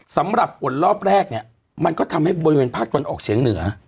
สำหรับฝนรอบแรกเนี่ยมันก็ทำให้บริเวณภาคตะวันออกเฉียงเหนือ